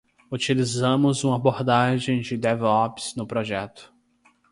Utilizamos uma abordagem de DevOps no projeto.